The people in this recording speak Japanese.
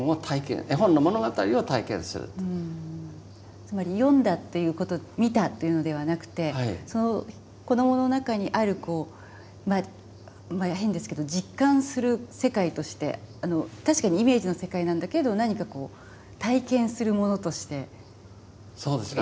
つまり読んだっていうこと見たっていうのではなくてその子どもの中にある変ですけど実感する世界として確かにイメージの世界なんだけれど何かこう体験するものとして。